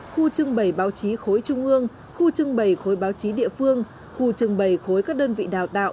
khu trưng bày báo chí khối trung ương khu trưng bày khối báo chí địa phương khu trưng bày khối các đơn vị đào tạo